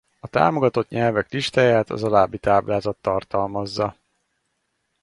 A támogatott nyelvek listáját az alábbi táblázat tartalmazza.